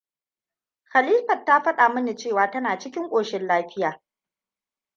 Khalifat ya faɗa mini cewa tana cikin koshin lafiya.